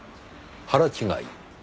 腹違い？